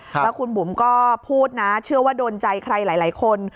แล้วคุณบุ๋มก็พูดนะเชื่อว่าโดนใจใครหลายคน